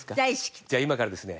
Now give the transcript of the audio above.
じゃあ今からですね